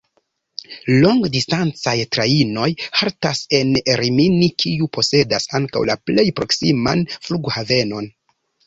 Longdistancaj trajnoj haltas en Rimini, kiu posedas ankaŭ la plej proksiman flughavenon.